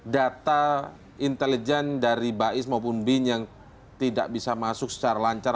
diterima dengan lancar